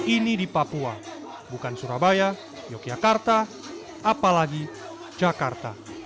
ini di papua bukan surabaya yogyakarta apalagi jakarta